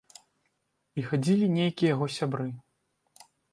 І хадзілі нейкія яго сябры.